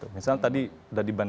misalnya tadi sudah di